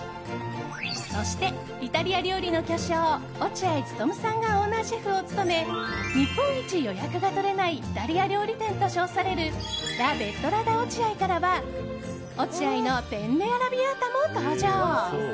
そして、イタリア料理の巨匠落合務さんがオーナーシェフを務め日本一予約が取れないイタリア料理店と称されるラ・ベットラ・ダ・オチアイからは落合のペンネアラビアータも登場。